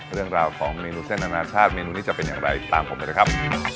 เรื่องราวของเมนูเส้นอนาชาติเมนูนี้จะเป็นอย่างไรตามผมไปเลยครับ